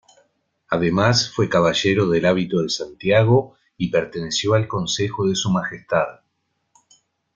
Además fue caballero del Hábito de Santiago y perteneció al consejo de su majestad.